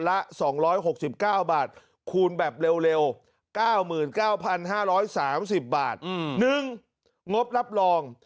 ละ๒๖๙บาทคูณแบบเร็ว๙๙๕๓๐บาท๑งบรับรอง